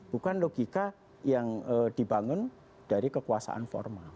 bukan logika yang dibangun dari kekuasaan formal